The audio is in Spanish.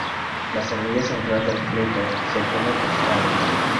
La semilla central del fruto se come tostada.